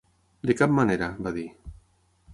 "De cap manera", va dir.